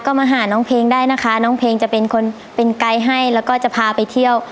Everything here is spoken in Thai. ก็มาหาน้องเพลงได้นะคะน้องเพลงจะเป็นคนเป็นไกด์ให้แล้วก็จะพาไปเที่ยว